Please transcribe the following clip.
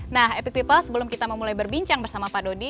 nah epic people sebelum kita memulai berbincang bersama pak dodi